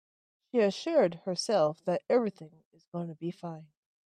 She assured herself that everything is gonna be fine.